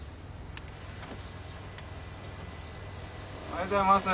おはようございます。